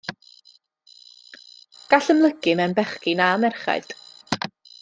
Gall amlygu mewn bechgyn a merched.